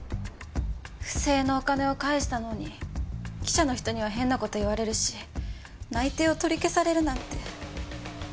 不正なお金を返したのに記者の人には変な事言われるし内定を取り消されるなんて。